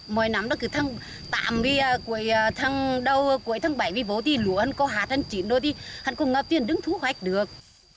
mọi năm đó cứ tháng tám cuối tháng bảy vì vô thì lũ hẳn có hạt hẳn chín rồi thì hẳn có ngập tiền đứng thu hoạch được